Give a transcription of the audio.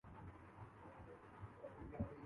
Denmark